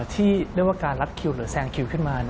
ที่เรียกว่าการรัดคิวหรือแซงคิวขึ้นมา